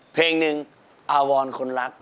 เพลงหนึ่งอาวรคนรัก